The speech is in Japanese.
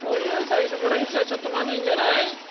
さいしょから１はちょっとまずいんじゃない？